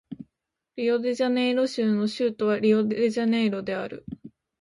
リオデジャネイロ州の州都はリオデジャネイロである